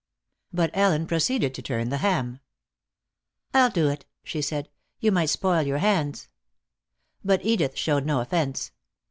But Ellen proceeded to turn the ham. "I'll do it," she said. "You might spoil your hands." But Edith showed no offense.